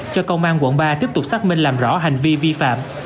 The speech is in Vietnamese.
cho công an quận ba tiếp tục xác minh làm rõ hành vi vi phạm